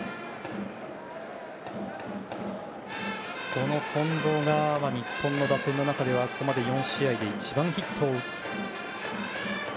この近藤が日本の打線の中ではここまで４試合で一番ヒットを打っている。